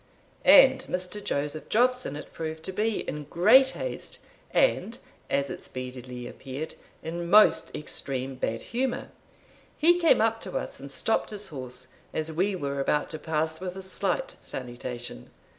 And Mr. Joseph Jobson it proved to be, in great haste, and, as it speedily appeared, in most extreme bad humour. He came up to us, and stopped his horse, as we were about to pass with a slight salutation.